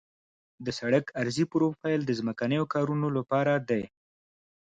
د سړک عرضي پروفیل د ځمکنیو کارونو لپاره دی